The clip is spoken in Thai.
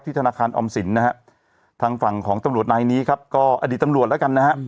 ธนาคารออมสินนะฮะทางฝั่งของตำรวจนายนี้ครับก็อดีตตำรวจแล้วกันนะฮะ